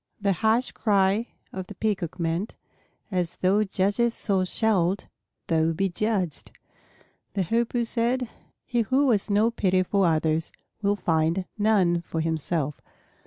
The harsh cry of the Peacock meant, "As thou judgest so shalt thou be judged." The Hoopoe said, "He who has no pity for others will find none for himself."